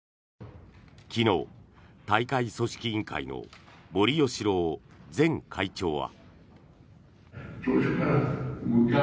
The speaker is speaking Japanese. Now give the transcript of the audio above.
昨日、大会組織委員会の森喜朗前会長は。